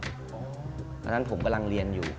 เพราะฉะนั้นผมกำลังเรียนอยู่